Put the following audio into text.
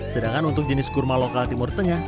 sedangkan untuk jenis kurma lokal timur tengah